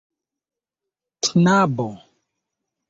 knabo